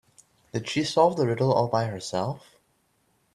Did she solve the riddle all by herself?